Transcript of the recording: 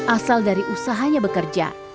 asal dari usahanya bekerja